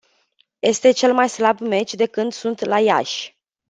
Este cel mai slab meci de când sunt la Iași.